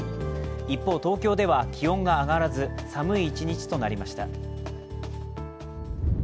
一方、東京では気温が上がらず、寒い一日となりました。